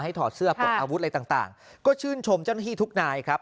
ถอดเสื้อปลดอาวุธอะไรต่างก็ชื่นชมเจ้าหน้าที่ทุกนายครับ